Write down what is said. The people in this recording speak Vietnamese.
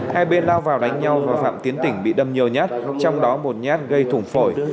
hai bên lao vào đánh nhau và phạm tiến tỉnh bị đâm nhiều nhát trong đó một nhát gây thủng phổi